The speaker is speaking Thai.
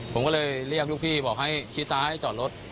ผมก็เลยเรียกลูกพี่บอกให้ชี้ซ้ายจอดรถ